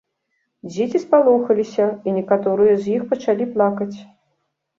Дзеці спалохаліся, і некаторыя з іх пачалі плакаць.